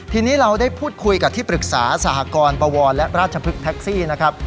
ทีนี้เราได้พูดคุยกับที่ปรึกษาสหกรณ์ปวรและราชพฤกษ์แท็กซี่นะครับ